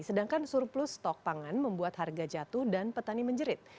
sedangkan surplus stok pangan membuat harga jatuh dan petani menjerit